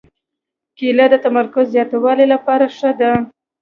کېله د تمرکز زیاتولو لپاره ښه ده.